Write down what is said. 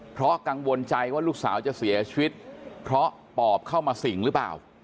เพราะกังวลใจว่าลูกสาวจะเสียชีวิตเพราะปอบเข้ามาสิ่งหรือเปล่า